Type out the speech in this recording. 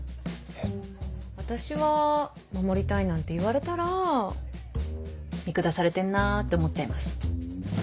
私は「守りたい」なんて言われたら見下されてんなって思っちゃいます。